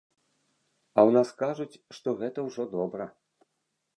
А ў нас кажуць, што гэта ўжо добра.